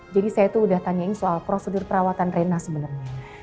jadi saya tuh udah tanyain soal prosedur perawatan reina sebenarnya